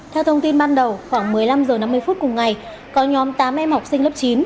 theo thông tin ban đầu khoảng một mươi năm h năm mươi phút cùng ngày có nhóm tám em học sinh lớp chín